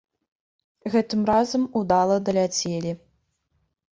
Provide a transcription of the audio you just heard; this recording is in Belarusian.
Гэтым разам удала даляцелі.